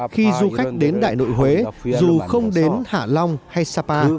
khi du khách đến đại nội huế dù không đến hạ long hay sapa